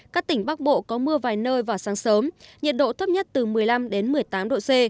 các tỉnh bắc bộ có mưa vài nơi vào sáng sớm nhiệt độ thấp nhất từ một mươi năm một mươi tám độ c